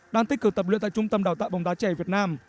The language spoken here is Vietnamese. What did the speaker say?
đang tích cực tập luyện tại trung tâm đào tạo bóng đá trẻ việt nam